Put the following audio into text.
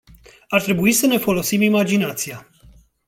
Ar trebui să ne folosim imaginația.